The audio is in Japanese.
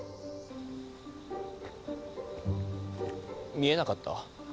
見えなかった？